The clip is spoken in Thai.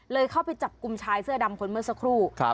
เข้าไปจับกลุ่มชายเสื้อดำคนเมื่อสักครู่